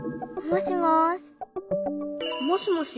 もしもし？